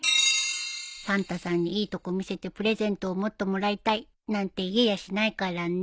サンタさんにいいとこ見せてプレゼントをもっともらいたいなんて言えやしないからね